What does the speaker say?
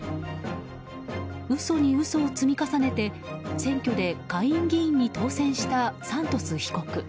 嘘に嘘を積み重ねて選挙で下院議員に当選したサントス被告。